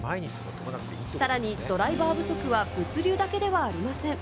さらにドライバー不足は物流だけではありません。